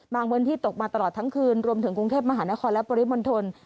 พื้นที่ตกมาตลอดทั้งคืนรวมถึงกรุงเทพมหานครและปริมณฑล